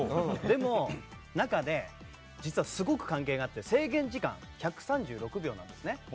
でも、中で実はすごく関係があって制限時間が１３６秒なんですね。